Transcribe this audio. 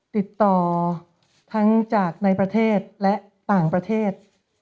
ติดต่อทั้งจากในประเทศและต่างประเทศ